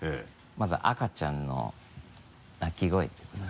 まず赤ちゃんの泣き声っていうのかな。